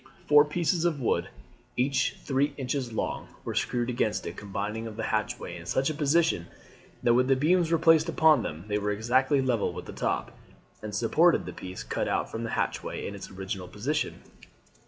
Four pieces of wood, each three inches long, were screwed against the combing of the hatchway in such a position that when the beams were placed upon them they were exactly level with the top, and supported the piece cut out from the hatchway in its original position.